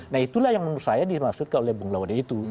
nah itulah yang menurut saya dimaksudkan oleh bung lawade itu